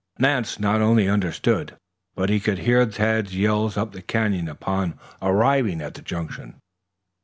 Nance not only understood, but he could hear Tad's yells up the canyon upon arriving at the junction.